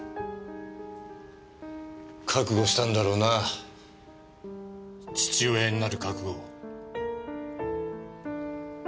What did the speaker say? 覚悟したんだろうな父親になる覚悟を。